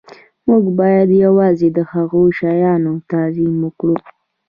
موږ باید یوازې د هغو شیانو تعظیم وکړو